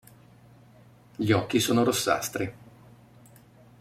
Gli occhi sono rossastri.